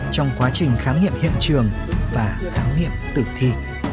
trong quá trình khám nghiệm hiện trường và khám nghiệm tử thi